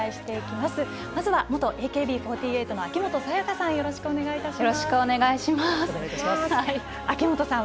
まずは元ＡＫＢ４８の秋元才加さん。